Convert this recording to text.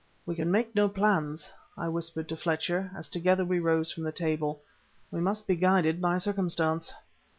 "We can make no plans," I whispered to Fletcher, as together we rose from the table; "we must be guided by circumstance."